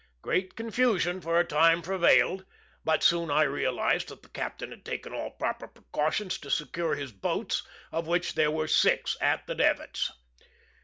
Great confusion for a time prevailed, but soon I realized that the captain had taken all proper precautions to secure his boats, of which there were six at the davits.